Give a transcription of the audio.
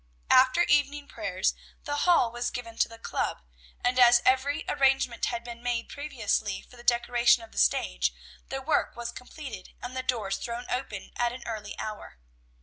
After evening prayers, the hall was given to the club, and as every arrangement had been made previously for the decoration of the stage, the work was completed and the doors thrown open at an early hour.